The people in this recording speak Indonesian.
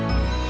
kamu udah tahu